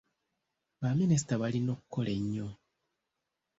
Baminisita balina okukola ennyo.